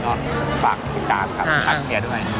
ก็ฝากติดตามครับทักเชียร์ด้วย